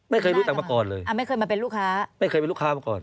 ไม่เคยรู้จักมาก่อนเลยอ่าไม่เคยมาเป็นลูกค้าไม่เคยเป็นลูกค้ามาก่อน